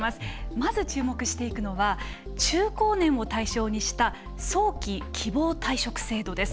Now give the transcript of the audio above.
まず、注目していくのは中高年を対象にした早期希望退職制度です。